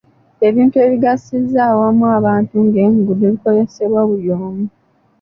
Ebintu ebigasiza awamu abantu ng'enguudo bikozesebwa buli omu.